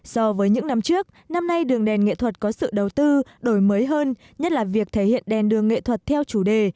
so với những năm trước năm nay đường đèn nghệ thuật có sự đầu tư đổi mới hơn nhất là việc thể hiện đèn đường nghệ thuật theo chủ đề